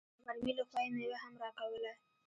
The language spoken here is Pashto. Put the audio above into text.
د غرمې له خوا يې مېوه هم راکوله.